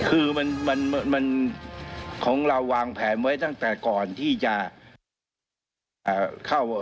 คือมันมันของเราวางแผนไว้ตั้งแต่ก่อนที่จะเข้า